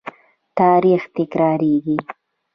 تاریخ تکراریږي